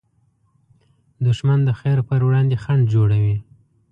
دښمن د خیر پر وړاندې خنډ جوړوي